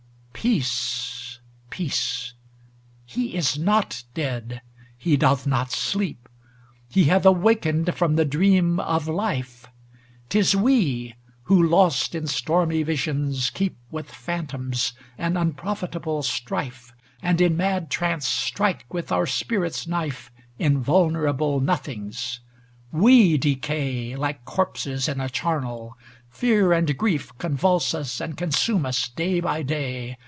XXXIX Peace, peace ! he is not dead, he doth not sleep ŌĆö He hath awakened from the dream of life ŌĆö 'T is we, who, lost in stormy visions, keep With phantoms an unprofitable strife, And in mad trance strike with our spir it's knife Invulnerable nothings. We decay Like corpses in a charnel ; fear and grief Convulse us and consume us day by day.